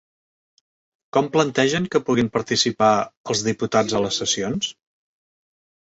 Com plantegen que puguin participar els diputats a les sessions?